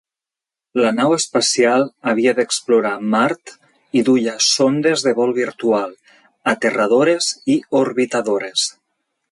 La nau espacial havia d'explorar Mart i duia sondes de vol virtual, aterradores i orbitadores.